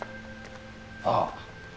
ああ